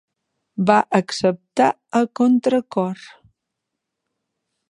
Va acceptar a contracor.